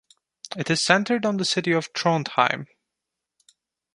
It is centered on the city of Trondheim.